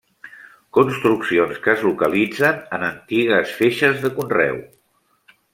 Construccions que es localitzen en antigues feixes de conreu.